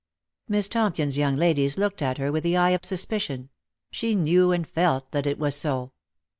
Miss Tompion's young ladies looked at her with the eye of suspicion ; she knew and felt that it was so.